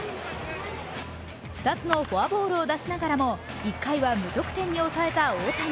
２つのフォアボールを出しながらも１回は無得点に抑えた大谷。